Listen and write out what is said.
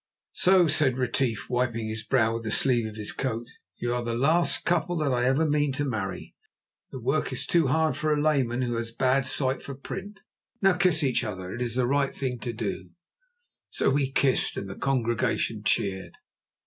"So," said Retief, wiping his brow with the sleeve of his coat, "you are the last couple that ever I mean to marry. The work is too hard for a layman who has bad sight for print. Now kiss each other; it is the right thing to do." So we kissed, and the congregation cheered.